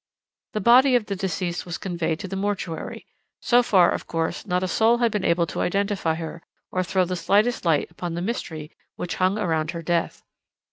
"The body of the deceased was conveyed to the mortuary. So far, of course, not a soul had been able to identify her, or to throw the slightest light upon the mystery which hung around her death.